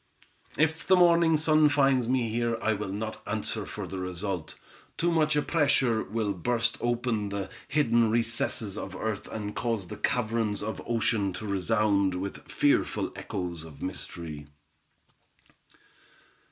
"If the morning sun finds me here, I will not answer for the result; too much pressure will burst open the hidden recesses of earth, and cause the caverns of ocean to resound with fearful echoes of mystery.